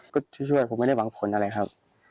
ก็ช่วยผมไม่ได้หวังผลอะไรครับ